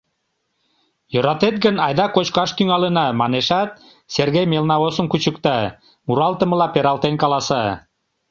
— Йӧратет гын, айда кочкаш тӱҥалына, — манешат, Сергей мелна осым кучыкта, муралтымыла пералтен каласа: